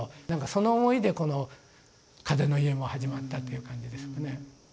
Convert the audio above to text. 何かその思いでこの「風の家」も始まったという感じですよね。